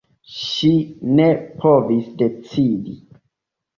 Ŝi ne povis decidi.